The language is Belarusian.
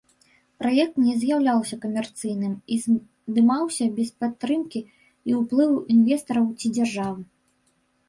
Праект не з'яўляўся камерцыйным і здымаўся без падтрымкі і ўплыву інвестараў ці дзяржавы.